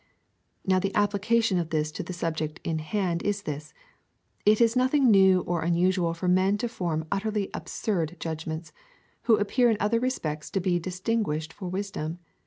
Now the application of this to the subject in hand is this :" It is nothing new or unusual for men to form utterly absurd judgments, who appear in other respects to be distinguished for wisdom.